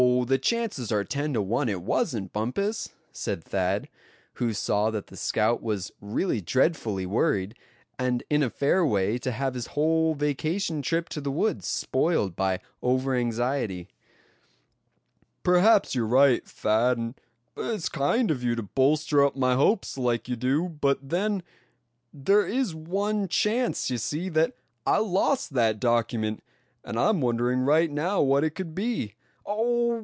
the chances are ten to one it wasn't, Bumpus," said Thad, who saw that the scout was really dreadfully worried, and in a fair way to have his whole vacation trip to the woods spoiled by over anxiety. "Perhaps you're right, Thad, and it's kind of you to bolster up my hopes like you do; but then, there is one chance, you see, that I lost that document; and I'm wondering right now what it could be. Oh!